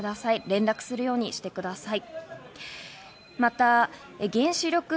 連絡するようにしてください。